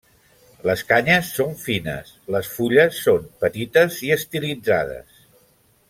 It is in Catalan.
Les canyes són fines, les fulles són petites i estilitzades.